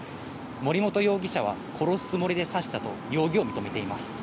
森本容疑者は殺すつもりで刺したと、容疑を認めています。